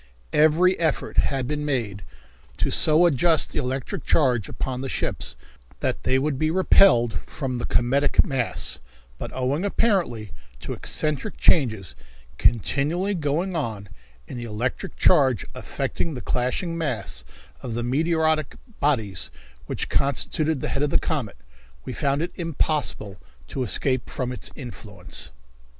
Every effort had been made to so adjust the electric charge upon the ships that they would be repelled from the cometic mass, but, owing apparently to eccentric changes continually going on in the electric charge affecting the clashing mass of meteoric bodies which constituted the head of the comet, we found it impossible to escape from its influence.